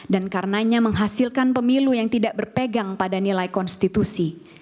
dan karenanya menghasilkan pemilu yang tidak berpegang pada nilai konstitusi